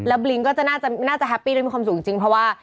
บลิ้งก็จะน่าจะแฮปปี้และมีความสุขจริงเพราะว่า